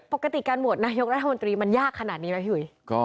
ปกติการโหวตนายกรัฐมนตรีมันยากขนาดนี้ไหมพี่หุย